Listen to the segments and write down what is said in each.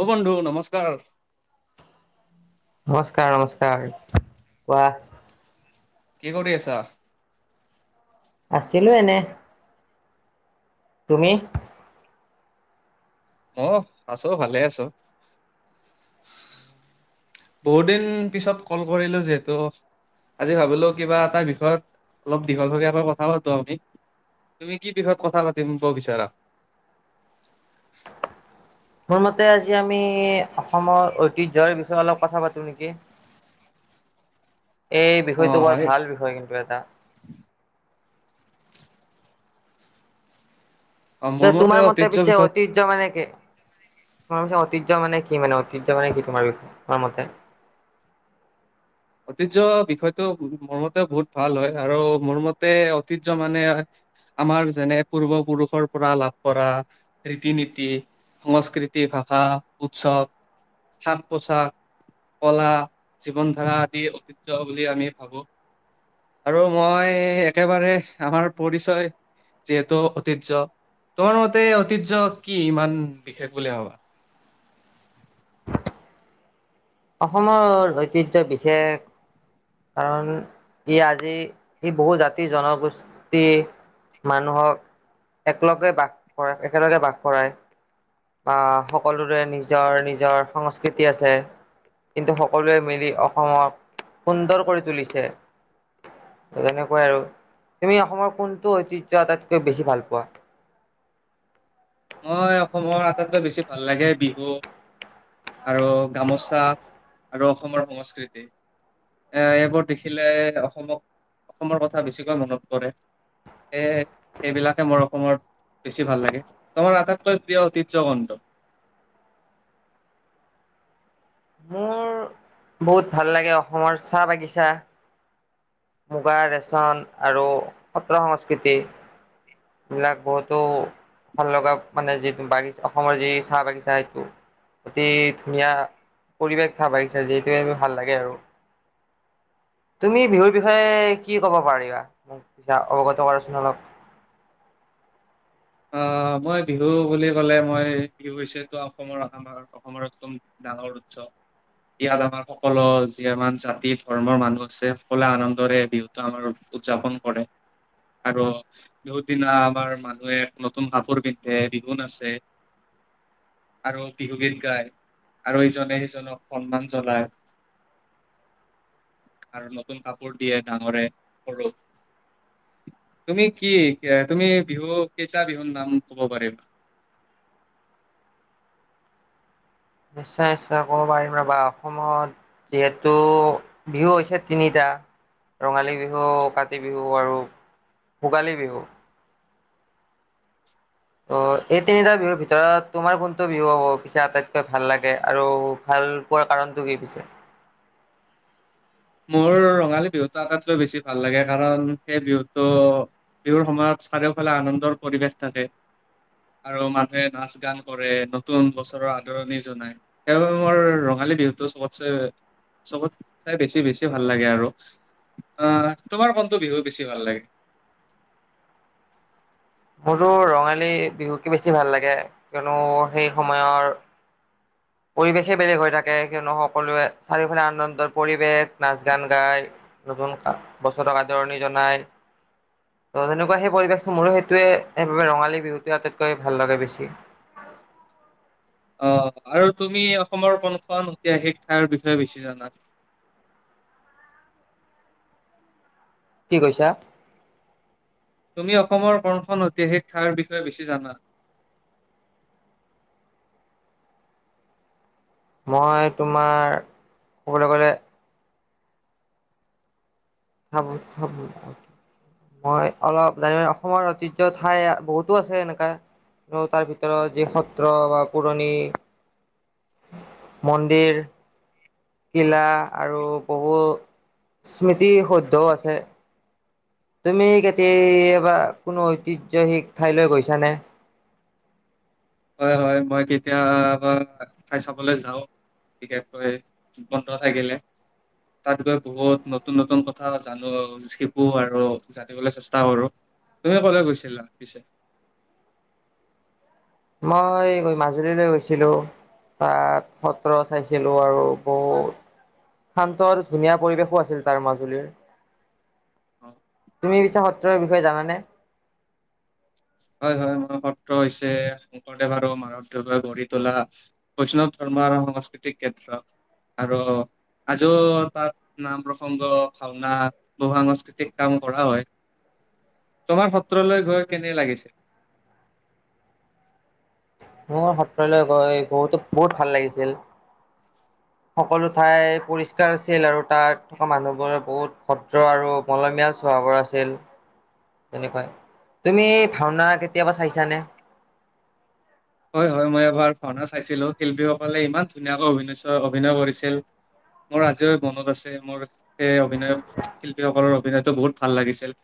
অ', বন্ধু নমস্কাৰ। নমস্কাৰ, নমস্কাৰ, কোৱা। কি কৰি আছা? আছিলোঁ এনে। তুমি। মইও আছোঁ, ভালে আছোঁ। বহুত দিন পিছত, কল কৰিলো যিহেতু আজি ভাবিলোঁ, কিবা এটা বিষয়ত, অলপ দীঘল সৰীয়াকৈ কথা পাতোঁ আমি। তুমি কি বিষয়ত, কথা পাতিমব বিচৰা? মোৰ মতে, আজি আমি, অসমৰ ঐতিহ্যৰ বিষয়ে অলপ কথা পাতো নেকি। এই অ বিষয়টো, বৰ এই- বিষয় কিন্তু এটা। অ মোৰ তোমাৰ মতে ঐতিহ্য পিছে, বিষয়ত ঐতিহ্য মানে কি? তোমাৰ পিছে ঐতিহ্য মানে কি? ঐতিহ্য মানে কি? তোমাৰ বিষয়, তোমাৰ মতে। ঐতিহ্য বিষয়টো, মোৰ মতে বহুত ভাল হয়, আৰু মোৰ মতে ঐতিহ্য মানে আমাৰ যেনে, পূৰ্বপুৰুষৰ পৰা লাভ কৰা, ৰীতি-নীতি। সংস্কৃতি, ভাষা, উৎসৱ। সাজ-পোচাক, কলা, জীৱন ধাৰা। ইয়ে ঐতিহ্য, বুলি আমি ভাবোঁ। আৰু মই, একেবাৰে আমাৰ পৰিচয় যিহেতু ঐতিহ্য, তোমাৰ মতে, ঐতিহ্য কি, ইমান বিশেষ বুলি ভাবা? অসমৰ, ঐতিহ্য বিশেষ কাৰণ, ই আজি, ই বহু জাতি-জনগোষ্ঠী মানুহক একেলগে বাস কৰা, একেলগে বাস কৰাই। বা সকলোৰে নিজৰ, নিজৰ সংস্কৃতি আছে। কিন্তু, সকলোৱে মিলি অসমক, সুন্দৰ কৰি তুলিছে। যেনেকৈ আৰু, তুমি অসমৰ, কোনটো ঐতিহ্য আটাইতকৈ বেছি ভাল পোৱা। মই, অসমৰ আটাইতকৈ বেছি ভাল লাগে বিহু। আৰু গামোচা, আৰু অসমৰ সংস্কৃতি। এ এইবোৰ দেখিলে, অসমক, অসমৰ কথা বেছিকৈ মনত পৰে। সেইহে সেইবিলাকে, মোৰ অসমৰ বেছি লাগে। তোমাৰ, আটাইতকৈ প্ৰিয় ঐতিহ্য কোনতো? মোৰ বহুত ভাল লাগে, অসমৰ চাহ বাগিচা। মূগা, ৰেচম আৰু সত্ৰ সংস্কৃতি। সেই বিলাক বহুতো, ভাল লগা মানে, যিটো বাগিচা অসমৰ যি চাহ বাগিচা সেই অতি ধুনীয়া পৰিৱেশ, চাহ বাগিছা যিহেতু আমি ভাল লাগে আৰু। তুমি বিহুৰ বিষয়ে কি ক'ব পাৰিবা, মোক পিছে অৱগত কৰাচোন অলপ। অ', মই বিহু বুলি ক'লে, মই বিহু হৈছেতো অসমৰ আপোনাৰ অসমৰ একদম ডাঙৰ উৎসৱ। ইয়াত আমাৰ সকলো, যি আমান জাতি-ধৰ্মৰ মানুহ আছে, সকলোৱে আনন্দৰে বিহু আমাৰ উদযাপন কৰে, আৰু বিহু দিনা আমাৰ মানুহে নতুন কাপোৰ পিন্ধে, বিহু নাছে। আৰু বিহুগীত গায় আৰু ইজনে সিজনক সন্মান জনাই আৰু নতুন কাপোৰ দিয়ে ডাঙৰে সৰুক। তুমি কি এ তুমি বিহু কেইটা বিহুৰ নাম ক'ব পাৰিবা। নিশ্চয় নিশ্চয় ক'ব পাৰিম ৰবা অসমত যিহেতু বিহু হৈছে তিনিটা। ৰঙালী বিহু, কাতি বিহু আৰু ভোগালী বিহু। ত' এই তিনিটা বিহুৰ ভিতৰত তোমাৰ কোনটো বিহু পিছে আটাইতকৈ ভাল লাগে আৰু ভাল। ৱাৰ কাৰণটো কি পিছে। মোৰ ৰঙালী বিহুটো আটাইতকৈ বেছি ভাল লাগে কাৰণ সেই বিহুটো বিহুৰ সময়ত চাৰিওফালে আনন্দৰ পৰিৱেশ থাকে। আৰু মানুহে নাচ- গান কৰে নতুন বছৰৰ আদৰণি জনায়। সেইবাবে মোৰ ৰঙালী বিহুতো চবতচে চবত কে বেছি। বেছি ভাল লাগে আৰু অ', তোমাৰ কোনটো বিহু বেছি ভাল লাগে। মোৰতো ৰঙালী বিহুকে বেছি ভাল লাগে কিয়নো সেই সময়ৰ পৰিৱেশে বেলেগ হৈ থাকে কিয়নো সকলোৱে চাৰিওফালে আনন্দত পৰিৱেশ নাচ -গান গাই নতুন বছৰক আদৰণি জনাই। ত' তেনেকুৱা সেই পৰিৱেশটো মোৰো সেইটোৱে সেইবাবে ৰঙালী বিহুটোৱে আটাইতকৈ ভাল লাগে বেছি। অ', আৰু তুমি অসমৰ কোনখন ঐতিহাসিক ঠাইৰ বিষয়ে বেছি জানা? কি কৈছা? তুমি অসমৰ কোন খন ঐতিহাসিক ঠাই বিষয়ে বেছি জানা। মই তোমাৰ ক'বলৈ গ'লে। [unintelligible] মই অলপ জানিব অসমৰ ঐতিহ্য ঠাই বহুতো আছে এনেকা। আৰু তাৰ ভিতৰত যি সত্ৰ বা পুৰণি। মন্দিৰ। অ কিলা আৰু বহু স্মৃতি শুদ্ধও আছে। তুমি কেতিয়াবা কোনো ঐতিহ্য শিক ঠাইলৈ গৈছা নে? হয়- হয় মই কেতিয়া ঠাই চাবলৈ যাওঁ। বিশেষকৈ বন্ধ থাকিলে তাত গৈ বহুত নতুন -নতুন কথা জানো শিকো আৰু। জানিবলৈ চেষ্টা কৰোঁ তুমি কলৈ গৈছিলা পিছে? মই মাজুলীলৈ গৈছিলোঁ। তাত সত্ৰ চাইছিলো আৰু বহুত। শান্ত আৰু ধুনীয়া পৰিৱেশো আছিল তাৰ মাজুলীৰ। অ তুমি পিছে সত্ৰৰ বিষয়ে জানানে? হয় -হয় মোৰ সত্ৰ হৈছে শংকৰদেৱ আৰু মাধৱদেৱে গঢ়ি তোলা। বৈষ্ণৱ ধৰ্ম আৰু সাংস্কৃতিক কেন্দ্ৰ আৰু আজিও তাত নাম প্ৰসংগ ভাওনা। বহু সাংস্কৃতিক কাম কৰা হয় তোমাৰ সত্ৰলৈ গৈ কেনে লাগিছে? মোৰ সত্ৰলৈ গৈ বহুতো -বহুত ভাল লাগিছিল। সকলো ঠাই পৰিষ্কাৰ আছিল আৰু তাত থকা মানুহবোৰে বহুত ভদ্ৰ আৰু মলমিয়াল স্বভাৱৰ আছিল। তেনেকুৱাই তুমি ভাওনা কেতিয়াবা চাইছানে? হয়- হয় মই এবাৰ ভাওনা চাইছিলো। শিল্পীসকলে ইমান ধুনীয়াকৈ অভিন অভিনয় কৰিছিল। মোৰ আজিও মনত আছে মোৰ এ অভিনয়। শিল্পীসকলৰ অভিনয়তটো বহুত ভাল লাগিছিল।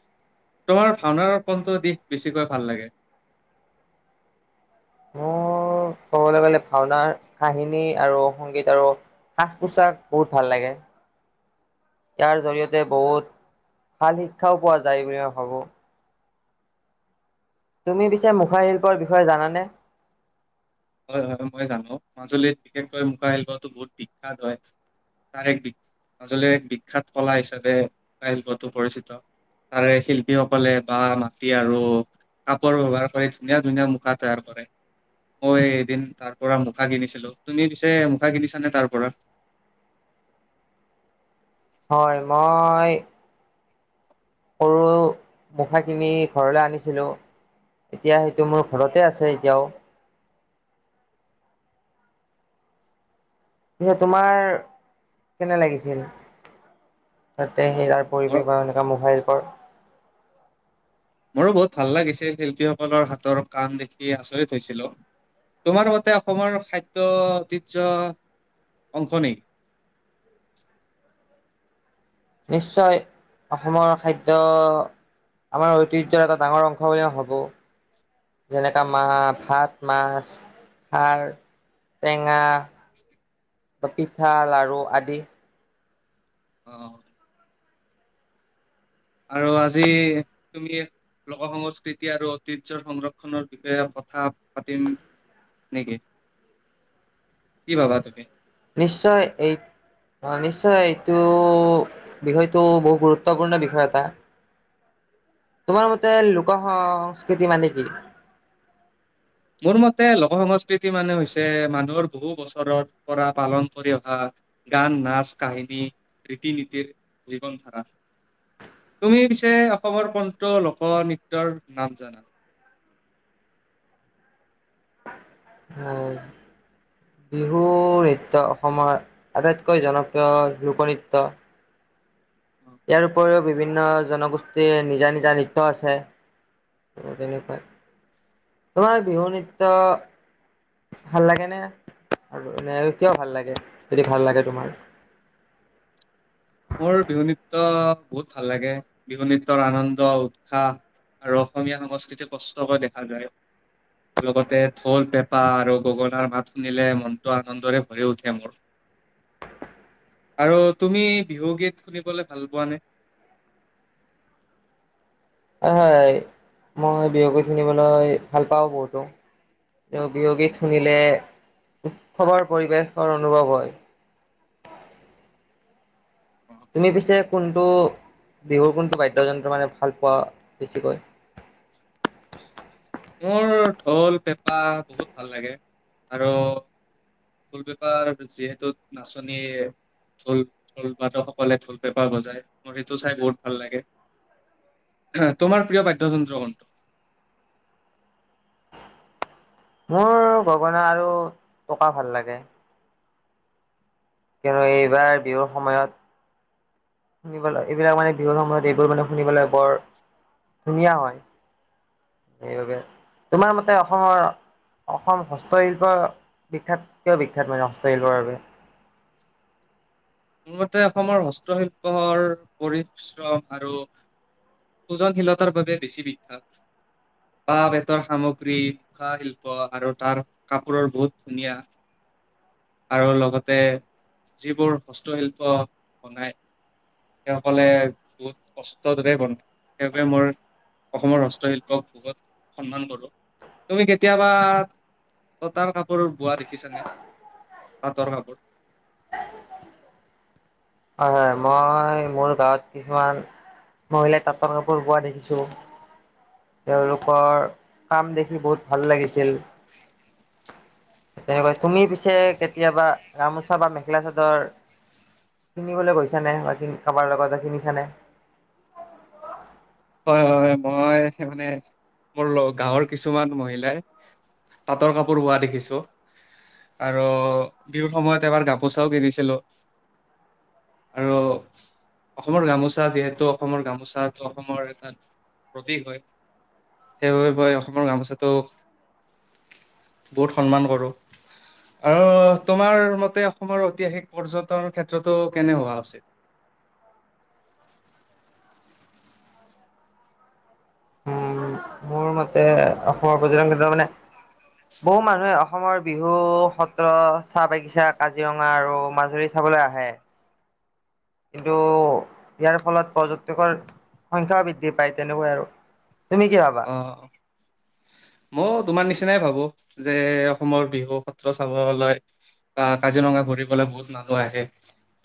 তোমাৰ ভাওনাৰ কোনটো দিন বেছিকৈ ভাল লাগে? মোৰ ক'বলৈ গ'লে ভাওনাৰ কাহিনী আৰু সংগীত আৰু সাজ -পোছাক বহুত ভাল লাগে। ইয়াৰ জৰিয়তে বহুত ভাল শিক্ষাও পোৱা যায় বুলি মই ভাবো। তুমি পিছে মুখা শিল্পৰ বিষয়ে জানানে? হয়, হয় মই জানো মাজুলীত বিশেষকৈ মুখা শিল্পটো বহুত বিখ্যাত হয়। তাৰ এক মাজুলীৰ এক বিখ্যাত কলা হিচাপে মূগা শিল্পতটো পৰিচিত। তাৰে শিল্পীসকলে বা মাটি আৰু কাপোৰ ব্যৱহাৰ কৰে ধুনীয়া, ধুনীয়া মুখা তৈয়াৰ কৰে। মই এদিন তাৰ পৰা মুখা কিনিছিলো। তুমি পিছে মুখা কিনিছা নে তাৰ পৰা? হয় মই সৰু মুখা কিনি ঘৰলৈ আনিছিলো। এতিয়া সেইটো মোৰ ঘৰতে আছে এতিয়াও। পিছে তোমাৰ কেনে লাগিছিল? তাতে সেই তাৰ মোৰ পৰিৱেশ বা এনেকুৱা মোবাইল ফোন মোৰো বহুত ভাল লাগিছে শিল্পীসকলৰ হাতৰ কাম দেখি আচৰিত হৈছিলো। তোমাৰ মতে অসমৰ খাদ্য ঐতিয্য অংশ নি? নিশ্চয় অসমৰ খাদ্য আমাৰ ঐতিহ্যৰ এটা ডাঙৰ অংশ বুলি মই ভাবো। যেনেকা মা ভাত, মাছ। খাৰ টেঙা বা পিঠা, লাডু আদি। অ', আৰু আজি তুমি লোক সংস্কৃতি আৰু ঐতিয্যৰ সংৰক্ষনৰ বিষয়ে কথা পাতিম। নেকি কি ভাবা তুমি? নিশ্চয় এই অ' নিশ্চয় এইটো বিষয়টো বহুত গুৰুত্বপূৰ্ণ বিষয় এটা। তোমাৰ মতে লোক সংস্কৃতি মানে কি? মোৰ মতে লোক সংস্কৃতি মানে হৈছে মানুহৰ বহু বছৰৰ পৰা পালন কৰি অহা গান, নাচ, কাহিনী, ৰীতি-নীতিৰ, জ জীৱন-ধাৰণা। তুমি পিছে অসমৰ কনটো লোক নৃত্যয়ৰ নাম জানা? উম, বিহু নৃত্য অসমৰ আটাইতকৈ জনপ্ৰিয় লোকনৃত্য। ইয়াৰ উপৰিও বিভিন্ন জনগোষ্ঠীৰ নিজা, নিজা নৃত্য আছে। তেনেকুৱাই তোমাৰ বিহু নৃত্য ভাল লাগে নে আৰু এ কিয় ভাল লাগে যদি ভাল লাগে তোমাৰ? মোৰ বিহু নৃত্য বহুত ভাল বিহু নৃত্যৰ আনন্দ উৎসাহ আৰু অসমীয়া সংস্কৃতি কষ্টকৈ দেখা যায়। লগতে ঢোল-পেঁপা আৰু গগনাৰ মাত শুনিলে মনটো আনন্দৰে ভৰি উঠে মোৰ। আৰু তুমি বিহুগীত শুনিবলে ভাল পোৱা নে? অ' হয় মই বিহু গীত শুনিবলৈ ভাল পাওঁ বহুতো। তেওঁ বিহু গীত শুনিলে উৎসৱৰ পৰিৱেশৰ অনুভৱ হয়। অ', তুমি পিছে কোনটো বিহুৰ কোনটো বাদ্যযন্ত্ৰ মানে ভাল পোৱা বেছিকৈ? মোৰ ঢো- পেঁপা বহুত ভাল লাগে আৰু ঢোল পেপাৰ যিহেতু নাচনীয়ে ঢোল ঢোল বাদকসকলে ঢোল পেঁপাৰ বজাই মোৰ সেইটো চাই বহুত ভাল লাগে। বা তোমাৰ প্ৰিয় বাদ্যযন্ত্ৰ কোনটো? মোৰ গগনা আৰু টকা ভাল লাগে। কিয়নো এইবাৰ বিহুৰ সময়ত। শুনিবলৈ এইবিলাক মানে বিহুৰ সময়ত এইবোৰ মানে শুনিবলৈ বৰ ধুনীয়া হয় সেইবাবে তোমাৰ মতে। তাতে অসমৰ অসম হস্তশিল্প বিখ্যাত কিয় বিখ্যাত মানে হস্তশিল্পৰ বাবে? মোৰ মতে অসমৰ হস্তশিল্পৰ পৰিশ্ৰম আৰু ওজনশীলতাৰ বাবে বেছি বিখ্যাত বাঁহ বেতৰ সামগ্ৰী। কাঁহ শিল্প আৰু তাৰ কাপোৰো বহুত ধুনীয়া। আৰু লগতে যিবোৰ হস্তশিল্প বনায়। সেইসকলে বহুত কষ্ট কৰি বনায় সেইবাবে মোৰ। অসমৰ হস্তশিল্পক সন্মান কৰো। তুমি কেতিয়াবা তাঁতৰ কাপোৰ বোৱা দেখিছানে পাটৰ কাপোৰ। হয় হয় মই মোৰ গাঁৱত কিছুমান মহিলাই তাঁতৰ কাপোৰ বোৱা দেখিছো। তেওঁলোকৰ কাম দেখি বহুত ভাল লাগিছিল। তেনেকৈ তুমি পিছে কেতিয়াবা গামোচা বা মেখেলা চাদৰ। কিনিবলৈ গৈচানে বা কাৰবাৰ লগতে কিনিচানে? হয় হয়। মই মানে মোৰ গাওঁৰ কিছুমান মহিলাই। তাঁতৰ কাপোৰ বোৱা দেখিছোঁ। আৰু বিহুৰ সময়ত এবাৰ গাপোচাও কিনিছিলো। আৰু অসমৰ গামোচা যিহেতু অসমৰ গামোচাটো অসমৰ। প্ৰতীক হয়। সেইবাবে মই অসমৰ গামোচাটো বহুত সন্মান কৰোঁ। আৰু তোমাৰ মতে অসমৰ ঐতিহাসিক পৰ্যটন ক্ষেত্ৰতো কেনে হোৱা উচিত। মৰ মতে অসমৰ পৰ্যটন ক্ষেত্ৰ মানে। বহু মানুহে অসমৰ বিহু, সত্ৰ চাহ বাগিচা কাজিৰঙা আৰু মাজুলীত চাবলে আহে। কিন্তু ইয়াৰ ফলত পৰ্যটকৰ সংখ্যাও বৃদ্ধি পায় তেনেকুৱাই আৰু। তুমি কি ভাবা? অ' অ'। ম‌ইও তোমাৰ নিচিনাই ভাবো যে, অসমৰ বিহু সত্ৰ চাবলৈ কা -কাজিৰঙা ঘূৰি পেলাই বহুত মানুহ আহে।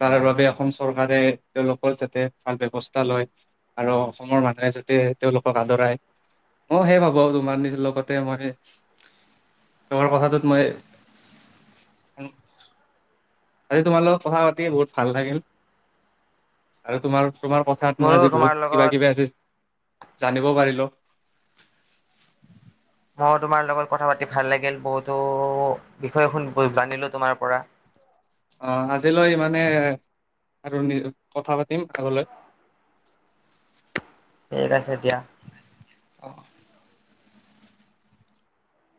তাৰ বাবে অসম চৰকাৰে তেওলোকৰ যাতে ভাল ব্যৱস্থা লয়। আৰু অসমৰ মানুহে যাতে তেওঁলোকক আদৰাই। মই সেই ভাবো আৰু তোমাৰ লগতে মই তোমাৰ কথাটোত মই আজি তোমাৰ লগত কথা পাতি বহুত ভাল লাগিল। আৰু তোমাৰ তোমাৰ কথাত মই মোৰো আজি তোমাৰ বহুত কিবা লগত কিবি আজি জানিব পাৰিলোঁ। মই তোমাৰ লগত কথা পাতি ভাল লাগিল বহুতো বিষয়ে শুন জানিলো তোমাৰ পৰা। অ' আজিলৈ ইমানে আৰু কথা পাতিম আগলৈ। [unintelligible] ঠিক আছে দিয়া। অ'হ